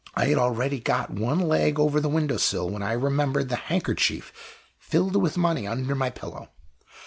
I had already got one leg over the window sill, when I remembered the handkerchief filled with money under my pillow.